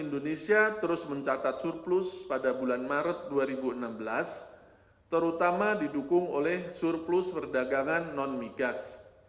indonesia terus mencatat surplus pada bulan maret dua ribu enam belas terutama didukung oleh surplus perdagangan non migas